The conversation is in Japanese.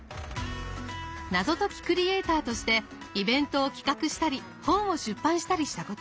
謎解きクリエイターとしてイベントを企画したり本を出版したりしたこと。